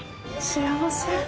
幸せ！